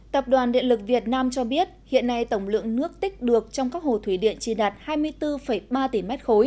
tập đoàn điện lực việt nam cho biết hiện nay tổng lượng nước tích được trong các hồ thủy điện chỉ đạt hai mươi bốn ba tỷ m ba